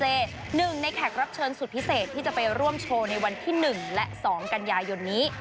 หนึ่งในแขกรับเชิญสุดพิเศษที่จะไปร่วมโชว์ในวันที่๑และ๒กันยายนนี้